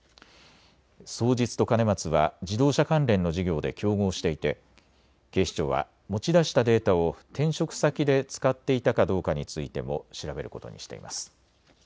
双日と兼松は自動車関連の事業で競合していて警視庁は持ち出したデータを転職先で使っていたかどうかについても調べることにしています。